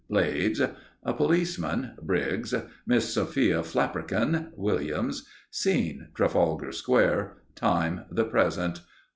B. Blades. A Policeman. Briggs. Miss Sophia Flapperkin. Williams. Scene: Trafalgar Square. Time: The Present.